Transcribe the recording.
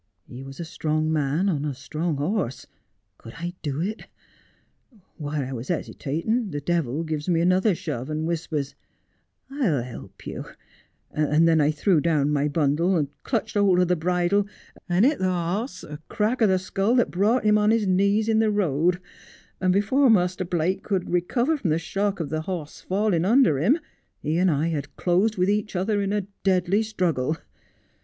He was a strong man, on a strong horse. Could I do it l While I was hesitatin', the devil gives me another shove, and whispers, " I'll help you," and then I threw down my bundle, clutched holt of the bridle, and hit the boss a crack o' the skull that brought him on his knees in the road, and before Muster Blake could recover from the shock of the boss falling under him, he and I had closed with each other in a deadly struggle.